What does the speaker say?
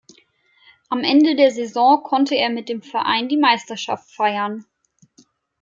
Am Ende der Saison konnte er mit dem Verein die Meisterschaft feiern.